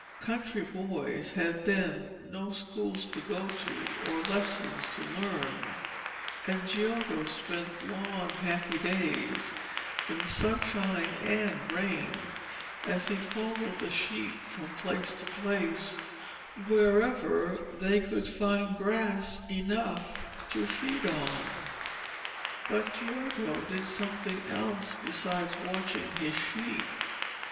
Country boys had then no schools to go to or lessons to learn, and Giotto spent long happy days, in sunshine and rain, as he followed the sheep from place to place, wherever they could find grass enough to feed on. But Giotto did something else besides watching his sheep.